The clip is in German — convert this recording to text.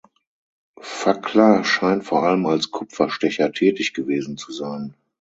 Fackler scheint vor allem als Kupferstecher tätig gewesen zu sein.